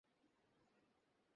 পেলে সেটা তোমার সৌভাগ্য।